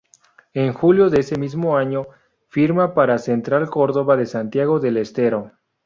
En julio de ese mismo año firma para Central Cordoba de Santiago del Estero.